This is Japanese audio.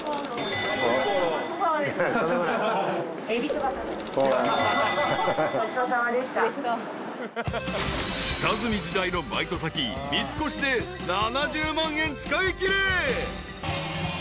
［下積み時代のバイト先三越で７０万円使いきれ］